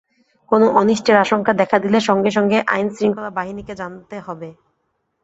কোন অনিষ্টের আশংকা দেখা দিলে সঙ্গে সঙ্গে আইন শৃঙ্খলা বাহিনীকে জানতে হবে।